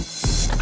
terima kasih bu